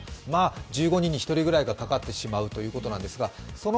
１５人に１人くらいがかかってしまうということなんですがその